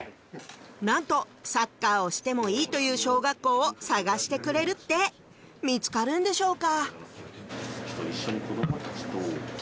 なんとサッカーをしてもいいという小学校を探してくれるって見つかるんでしょうか？